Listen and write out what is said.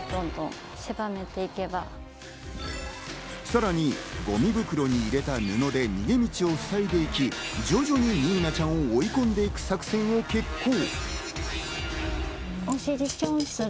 さらに、ごみ袋に入れた布で逃げ道をふさいでいき、徐々にニーナちゃんを追い込んでいく作戦を決行。